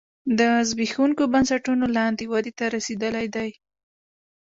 د زبېښونکو بنسټونو لاندې ودې ته رسېدلی دی